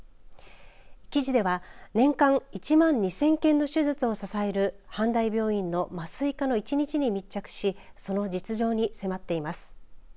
記事では年間１万２０００件の手術を支える阪大病院の麻酔科の一日に密着しその実情に迫っています。